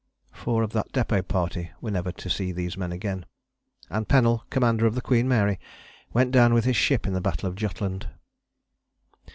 Four of that Depôt party were never to see these men again, and Pennell, Commander of the Queen Mary, went down with his ship in the battle of Jutland.